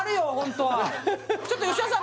ちょっと吉田さん